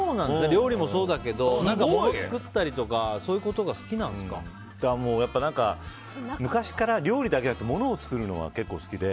料理もそうだけど物作ったりとかやっぱり、昔から料理だけじゃなくて物を作るのが結構好きで。